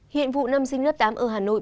hiện vụ năm sinh lớp tám ở hà nội